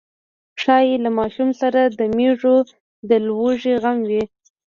ښايي له ماشوم سره د مېږو د لوږې غم و.